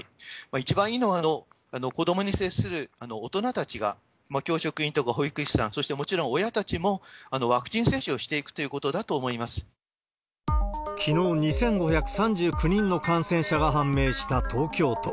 一番いいのは、子どもに接する大人たちが、教職員とか保育士さん、それからもちろん親たちも、ワクチン接種をしていくということだきのう、２５３９人の感染者が判明した東京都。